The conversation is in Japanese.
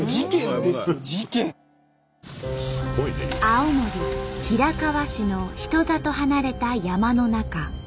青森平川市の人里離れた山の中。